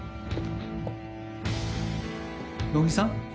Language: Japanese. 野木さん